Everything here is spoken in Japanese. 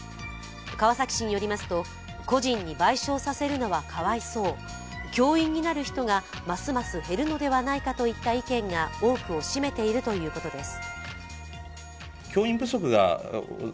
川崎市によりますと、個人に賠償させるのはかわいそう、教員になる人がますます減るのではないかといった意見が多くを占めているということです。